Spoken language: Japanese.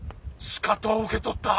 しかと受け取った。